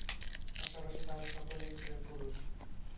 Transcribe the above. পাশাপাশি তারা সকলেই ছিলেন পুরুষ।